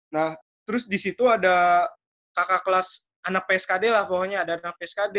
nah terus di situ ada kakak kelas anak pskd lah pokoknya ada anak skd